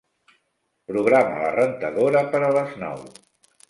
Programa la rentadora per a les nou.